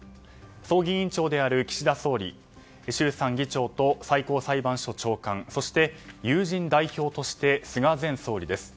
葬儀委員長である岸田総理衆参議長と最高裁判所長官そして、友人代表として菅前総理です。